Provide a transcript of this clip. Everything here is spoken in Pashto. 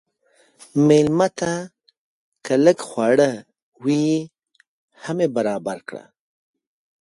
مېلمه ته که لږ خواړه وي، هم یې برابر کړه.